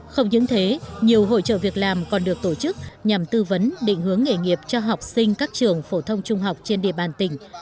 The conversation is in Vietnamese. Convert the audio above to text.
không những thế nhiều hỗ trợ việc làm còn được tổ chức nhằm tư vấn định hướng nghề nghiệp cho học sinh các trường phổ thông trung học trên địa bàn tỉnh